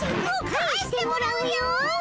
返してもらうよ！